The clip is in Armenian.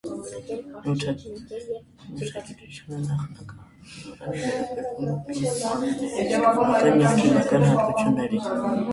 Նյութագիտությունը նախնականորեն վերաբերվում է պինդ մարմինների ֆիզիկական և քիմիական հատկություններին։